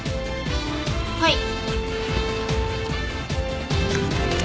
はい。